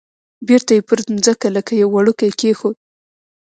بیرته یې پر مځکه لکه یو وړوکی کېښود.